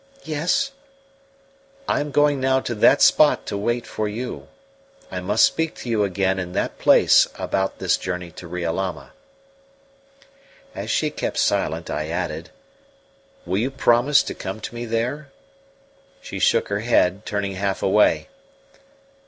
"Yes." "I am going now to that spot to wait for you. I must speak to you again in that place about this journey to Riolama." As she kept silent, I added: "Will you promise to come to me there?" She shook her head, turning half away.